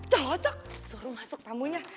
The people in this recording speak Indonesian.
cocok suruh masuk tamunya